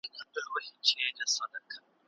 او دښتې زرغونوي.